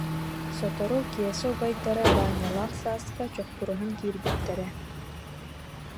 Сотору Киэсэ убайдара Баанньалаах Сааска чок- кураһан киирбиттэрэ